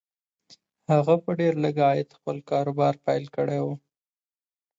هغه په ډېر لږ عاید خپل کاروبار پیل کړی و